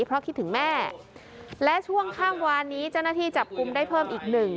เพราะคิดถึงแม่และช่วงข้ามวานนี้เจ้าหน้าที่จับกลุ่มได้เพิ่มอีกหนึ่ง